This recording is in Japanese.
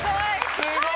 すごい。